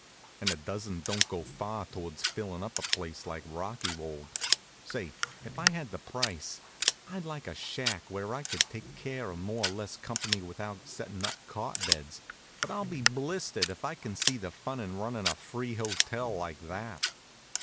And a dozen don't go far towards fillin' up a place like Rockywold. Say, if I had the price, I'd like a shack where I could take care of more or less comp'ny without settin' up cot beds, but I'll be blistered if I can see the fun in runnin' a free hotel like that.